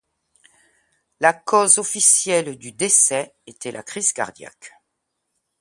La cause officielle du décès était la crise cardiaque.